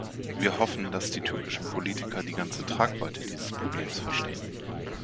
Wir hoffen, dass die türkischen Politiker die ganze Tragweite dieses Problems verstehen.